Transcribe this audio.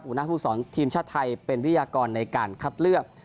หัวหน้าภูมิสอนทีมชาติไทยเป็นวิยากรในการคัดเลือก